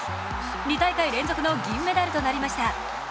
２大会連続の銀メダルとなりました。